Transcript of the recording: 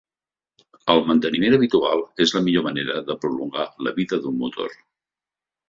El manteniment habitual és la millor manera de prolongar la vida d'un motor.